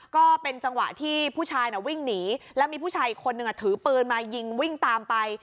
ก็เป็นจังหวะที่ผู้ชายน่ะวิ่งหนีแล้วมีผู้ชายอีกคนนึงถือปืนมายิงวิ่งตามไป